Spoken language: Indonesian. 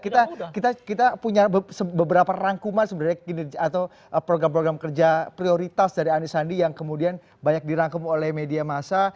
kita punya beberapa rangkuman sebenarnya atau program program kerja prioritas dari anisandi yang kemudian banyak dirangkum oleh media masa